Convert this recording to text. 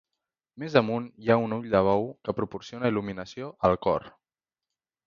Més amunt hi ha un ull de bou que proporciona il·luminació al cor.